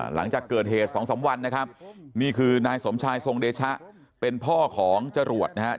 หลังจากเกิดเหตุสองสามวันนะครับนี่คือนายสมชายทรงเดชะเป็นพ่อของจรวดนะครับ